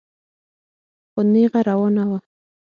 خو نېغه روانه وه.